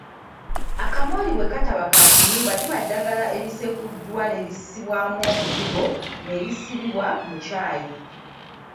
Akamooli bwe kataba ka ku nnyumba liba ddagala erisekuddwa ne lissibwamu omuzigo ne lisibibwa mu kyayi.